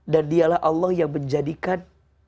dan dialah allah yang menjadikan